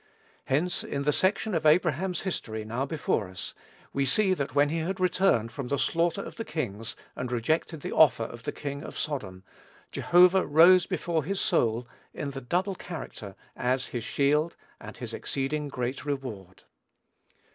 Hence in the section of Abraham's history now before us, we see that when he had returned from the slaughter of the kings and rejected the offer of the king of Sodom, Jehovah rose before his soul in the double character, as his "shield and his exceeding great reward."